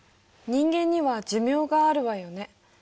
人間には寿命があるわよね。